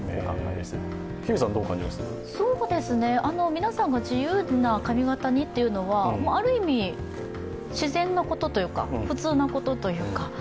皆さんが自由な髪形にというのはある意味、自然なことというか普通なことというか。